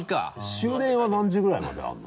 終電は何時ぐらいまであるの？